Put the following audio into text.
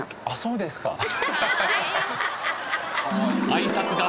あそうなんですか。